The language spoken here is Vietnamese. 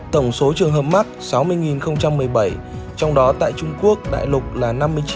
tổng số trường hợp mắc sáu mươi một mươi bảy trong đó tại trung quốc đại lục là năm mươi chín bốn trăm chín mươi ba